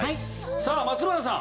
さあ松村さん。